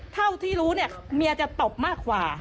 เท่าที่รู้เนี่ยเมียจะตบมากกว่า